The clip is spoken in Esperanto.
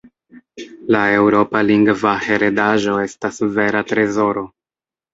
La eŭropa lingva heredaĵo estas vera trezoro.